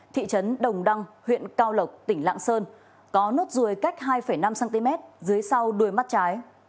thị trấn đồng đăng huyện cao lộc tỉnh lạng sơn có nốt ruồi cách hai năm cm dưới sau đuôi mắt trái